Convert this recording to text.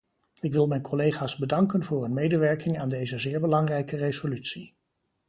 Ik wil mijn collega's bedanken voor hun medewerking aan deze zeer belangrijke resolutie.